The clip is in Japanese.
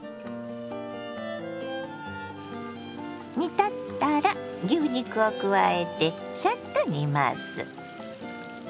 煮立ったら牛肉を加えてサッと煮ます。